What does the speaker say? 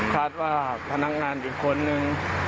คาดว่าพนักงานอีกคนนึง